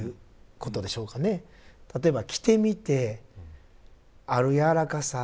例えば着てみてある柔らかさ。